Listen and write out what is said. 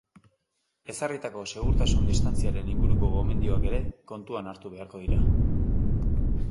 Ezarritako segurtasun-distantziaren inguruko gomendioak ere kontuan hartu beharko dira.